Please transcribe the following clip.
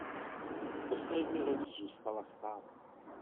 Kostelní loď zůstala stát.